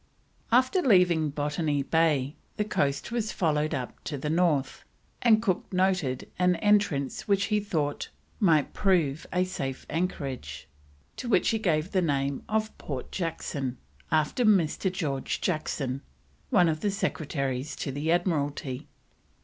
After leaving Botany Bay the coast was followed up to the north, and Cook noted an "entrance" which he thought might prove a safe anchorage, to which he gave the name of Port Jackson, after Mr. George Jackson, one of the Secretaries to the Admiralty.